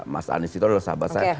mas anies itu adalah sahabat saya